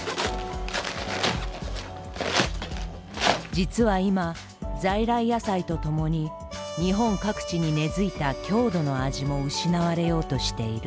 実は今在来野菜とともに日本各地に根づいた郷土の味も失われようとしている。